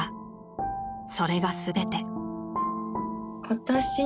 ［それが全て］